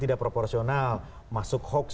tidak proporsional masuk hoax